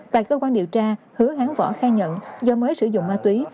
tại cơ quan điều tra hứa hắn võ khai nhận do mới sử dụng ma túy